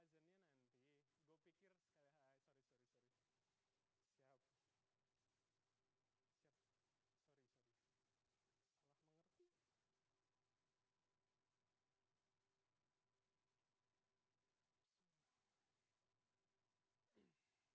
terima kasih anda masih bersama kami